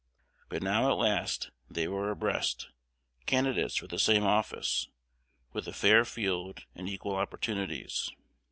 But now at last they were abreast, candidates for the same office, with a fair field and equal opportunities.